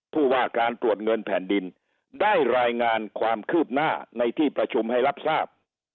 ผู้ว่าการตรวจเงินแผ่นดินได้รายงานความคืบหน้าในที่ประชุมให้รับทราบ